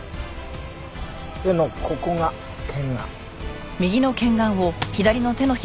手のここが拳眼。